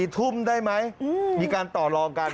๔ทุ่มได้ไหมมีการต่อลองกัน